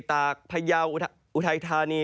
ตากพยาวอุทัยธานี